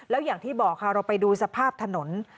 แล้วอย่างที่บอกค่ะเราไปดูสภาพถนน